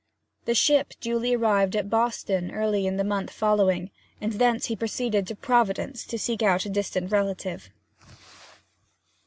The ship duly arrived at Boston early in the month following, and thence he proceeded to Providence to seek out a distant relative.